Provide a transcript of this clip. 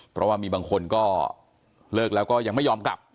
เพราะว่ามีบางคนก็เลิกแล้วก็ยังไม่ยอมกลับ